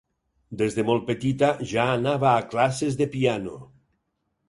Des de molt petita ja anava a classes de piano.